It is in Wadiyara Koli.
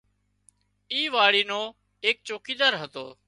اي واڙي نو ايڪ چوڪيدار هتو